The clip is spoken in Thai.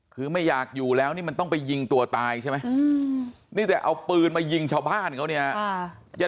คือไม่อยากอยู่แล้วนี่มันต้องไปยิงตัวตายใช่ไหมนี่แต่เอาปืนมายิงชาวบ้านเขาเนี่ย